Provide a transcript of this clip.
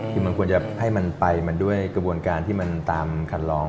คือมันควรจะให้มันไปมันด้วยกระบวนการที่มันตามคันลอง